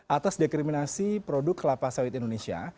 atas dikriminasi produk kelapa sawit indonesia